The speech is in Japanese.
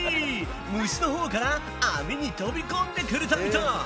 虫のほうから網に飛び込んでくれたみたい！